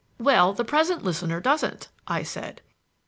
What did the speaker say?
"Well, the present listener doesn't," I said.